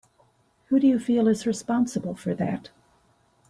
Who do you feel is responsible for that?